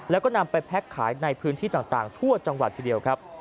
แล้วก็นำไปแพ็คขายในพื้นที่ต่างทั่วจังหวัดทีเดียวครับ